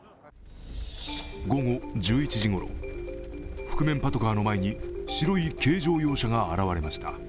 午後１１時ごろ、覆面パトカーの前に白い軽乗用車が現れました。